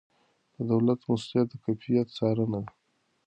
د دولت مسؤلیت د کیفیت څارنه ده.